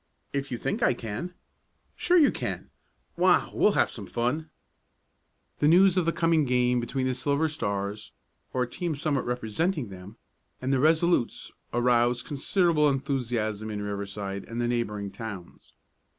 "If you think I can." "Sure you can. Wow! We'll have some fun." The news of the coming game between the Silver Stars or a team somewhat representing them and the Resolutes aroused considerable enthusiasm in Riverside and the neighboring towns.